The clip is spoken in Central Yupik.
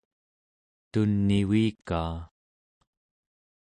tun'ivikaa